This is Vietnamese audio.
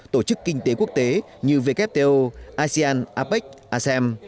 tổ chức kinh tế quốc tế như wto asean apec asem